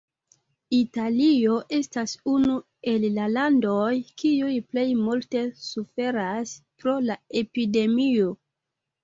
Italio estas unu el la landoj kiuj plej multe suferas pro la epidemio.